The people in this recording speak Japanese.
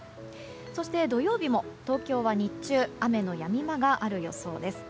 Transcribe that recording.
そして土曜日も東京は日中雨のやみ間がある予想です。